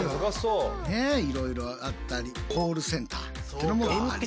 ねえいろいろあったりコールセンターってのも。